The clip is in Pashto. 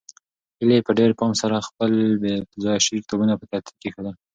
هیلې په ډېر پام سره خپل بې ځایه شوي کتابونه په ترتیب کېښودل.